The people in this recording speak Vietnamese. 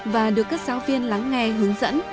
và được các giáo viên lắng nghe hướng dẫn